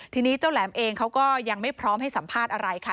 ทีนี้เจ้าแหลมเองเขาก็ยังไม่พร้อมให้สัมภาษณ์อะไรค่ะ